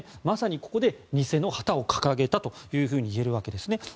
まさにここで偽の旗を掲げたといえるわけですね。